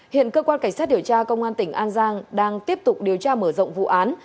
hiện cơ quan cảnh sát điều tra công an tỉnh an giang đang tiếp tục điều tra mở rộng vụ án